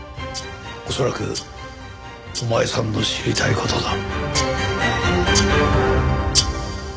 恐らくお前さんの知りたい事だ。